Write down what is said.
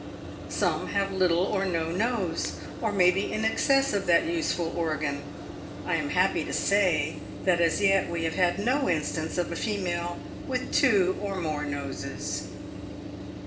Some have little or no nose, or maybe an excess of that useful organ. I am happy to say that as yet we have had no instance of a female with two or more noses.